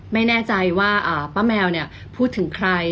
ไม่แน่ใจว่าป้าแมวพูดถึงใคร